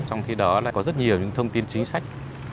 trong khi đó lại có rất nhiều những thông tin chính sách